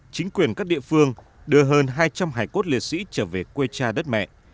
chính quyền các địa phương đưa hơn hai trăm linh hải cốt liệt sĩ trở về quê cha đất mẹ